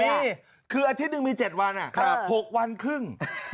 นี่คืออาทิตย์หนึ่งมี๗วัน๖วันครึ่ง